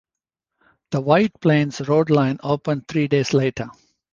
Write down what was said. The White Plains Road Line opened three days later.